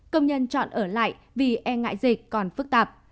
công nhân chọn ở lại vì e ngại dịch còn phức tạp